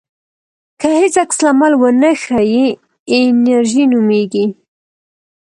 که هیڅ عکس العمل ونه ښیې انېرژي نومېږي.